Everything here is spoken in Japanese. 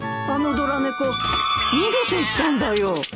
あのドラ猫逃げていったんだよ。